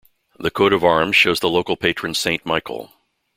The coat of arms shows the local patron Saint Michael.